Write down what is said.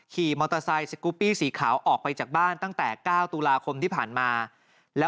ขี่มอเตอร์ไซค์สกูปปี้สีขาวออกไปจากบ้านตั้งแต่๙ตุลาคมที่ผ่านมาแล้ว